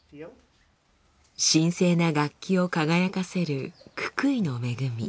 神聖な楽器を輝かせるククイの恵み。